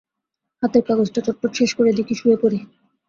হাতের কাজটা চটপট শেষ করে দিকি, শুয়ে পড়ি।